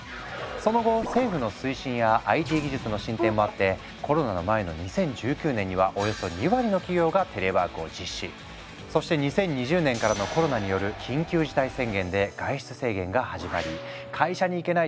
その後政府の推進やＩＴ技術の進展もあってコロナの前の２０１９年にはおよそそして２０２０年からのコロナによる緊急事態宣言で外出制限が始まり「会社に行けない。